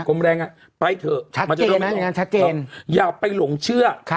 กรมแรงงานไปเถอะชัดเจนนะชัดเจนอย่าไปหลงเชื่อค่ะ